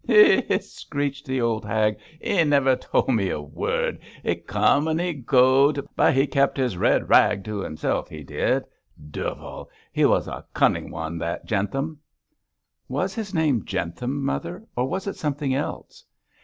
'He!' screeched the old hag, 'he niver tol' me a word. He cum an' he go'd; but he kep his red rag to himself, he did. Duvel! he was a cunning one that Jentham.' 'Was his name Jentham, mother; or was it something else?'